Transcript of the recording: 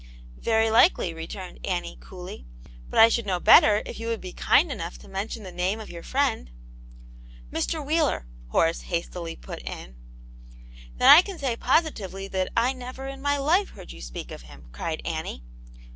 " "Very likely," returned Annie, coolly. "But I should know better if you would be kind enough to mention the name of your friend." " Mr. Wheeler," Horace hastily put in. " Then I can say positively, that I never in my life heard you speak of him," cried Annie.